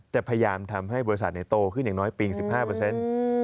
จะพยายามทำให้บริษัทโตขึ้นอย่างน้อยปี๑๕เปอร์เซ็นต์